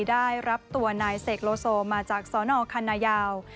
ได้รับตัวนายเสกโลโซมาจากสนคันนายาว